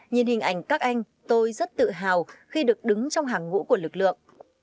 nhìn hình ảnh các anh tôi rất tự hào khi được đứng trong hàng ngũ của lực lượng